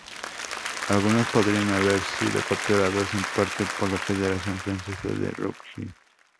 Algunos podrían haber sido capturados en parte por la Federación Francesa de Rugby.